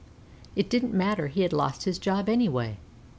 'It didn't matter; he had lost his job anyway.'